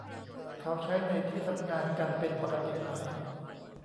เขาใช้ในที่ทำงานกันเป็นปกติไหม